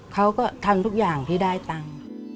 เขาก็ทำทุกอย่างที่ได้ตังค์